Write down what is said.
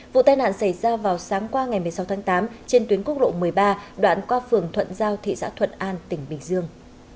vụ tai nạn xảy ra vào sáng qua ngày một mươi sáu tháng tám trên tuyến quốc lộ một mươi ba đoạn qua phường thuận giao thị xã thuận an tỉnh bình dương